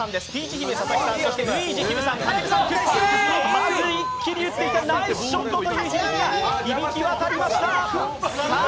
まず一気に打っていった、ナイスショットが響き渡りました。